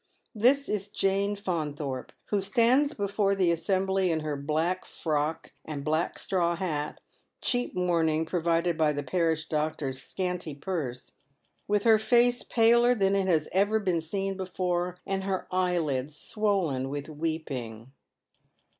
This is Jane Faunthorpe, who stands before the assembly in her black frock and black straw hat — cheap mourning provided by the parish doctor's scanty purse — with her face paler than it hai 856 Dead Merits Shoes. ever been seen before, and her eyelids swollen with ■weeping.